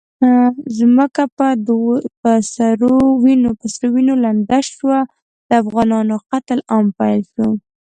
ځمکه په سرو وینو لنده شوه، د افغان قتل عام پیل شو.